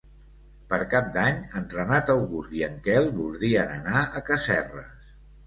Per Cap d'Any en Renat August i en Quel voldrien anar a Casserres.